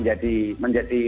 supaya ini juga menjadi